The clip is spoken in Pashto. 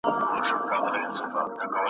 هره ورځ به یې تازه وه مجلسونه ,